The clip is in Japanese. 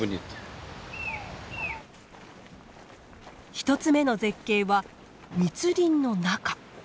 一つ目の絶景は密林の中。